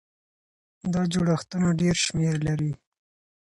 دا جوړښتونه ډېر شمېر لري.